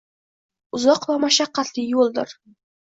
uzoq va mashaqqatli yo’ldir.